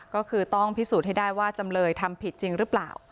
ก็คือต้องพิสูจน์ให้ได้ว่าจำเลยทำผิดจริงหรือเปล่า